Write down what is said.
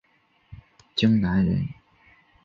荆南人。